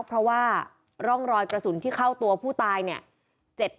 เพราะว่าร่องรอยกระสุนที่เข้าตัวผู้ตายเนี่ย